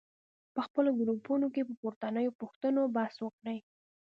په خپلو ګروپونو کې پر پورتنیو پوښتنو بحث وکړئ.